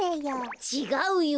ちがうよ。